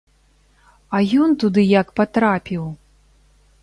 А ён туды як патрапіў?